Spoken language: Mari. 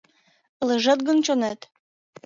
Ылыжеш гын чонет